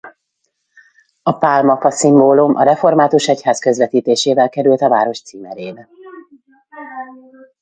A pálmafa szimbólum a református egyház közvetítésével került a város címerébe.